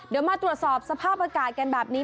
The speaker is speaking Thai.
เดี๋ยวมาตรวจสอบสภาพอากาศกันแบบนี้